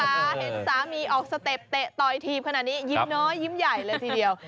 เห็นสามีออกสเต็ปเตะต่อยถีบขนาดนี้ยิ้มน้อยยิ้มใหญ่เลยทีเดียว